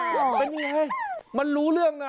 เป็นยังไงมันรู้เรื่องนะ